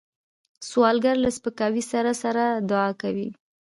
سوالګر له سپکاوي سره سره دعا کوي